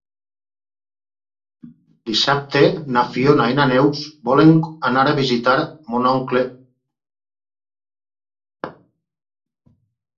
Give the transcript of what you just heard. Dissabte na Fiona i na Neus volen anar a visitar mon oncle.